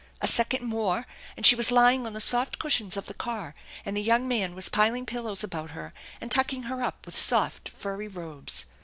A second more, and she was lying on the soft cushions of the car, and the young man was piling pillows about her and tucking her up with soft, furry robes.